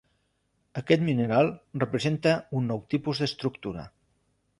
Aquest mineral representa un nou tipus d'estructura.